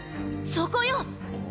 そこよ！